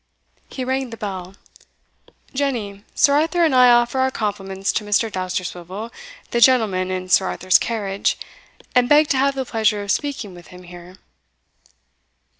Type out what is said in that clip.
He rang the bell. "Jenny, Sir Arthur and I offer our compliments to Mr. Dousterswivel, the gentleman in Sir Arthur's carriage, and beg to have the pleasure of speaking with him here."